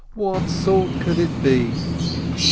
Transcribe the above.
What sort could it be ?